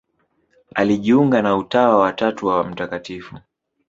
Alijiunga na Utawa wa Tatu wa Mt.